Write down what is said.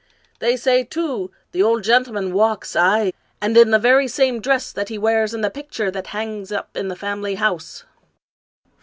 They say, too, the old gentleman walks, aye, and in the very same dress that he wears in the picture that hangs up in the family house."